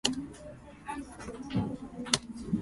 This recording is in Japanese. ヒノカミ神楽烈日紅鏡（ひのかみかぐられつじつこうきょう）